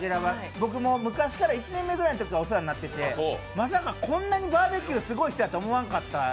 僕も昔から、１年目ぐらいのときからお世話になっててまさかこんなにバーベキューすごい人やと思わんかった。